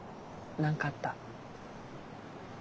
何かあった？